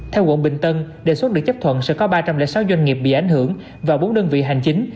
theo quận bình tân đề xuất được chấp thuận sẽ có ba trăm linh sáu doanh nghiệp bị ảnh hưởng và bốn đơn vị hành chính